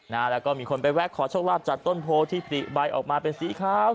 นะฮะแล้วก็มีคนไปแวะขอโชคลาภจากต้นโพที่ผลิใบออกมาเป็นสีขาว